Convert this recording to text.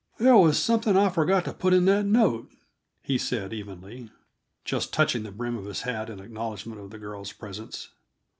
"There was something I forgot to put in that note," he said evenly, just touching the brim of his hat in acknowledgment of the girl's presence.